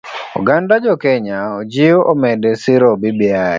Oganda jokenya ojiw omed siro bbi.